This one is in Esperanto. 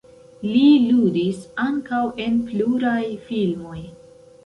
Li ludis ankaŭ en pluraj filmoj.